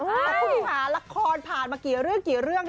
พอที่หาละครผ่านมากี่เรื่องเนี่ย